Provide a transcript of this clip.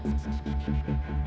benar mama gak kenapa napa aku